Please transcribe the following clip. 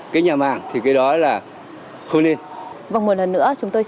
cái nhà màng thì cái đó là không nên